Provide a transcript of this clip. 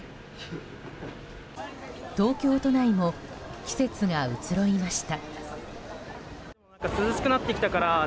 東京都内も季節がうつろいました。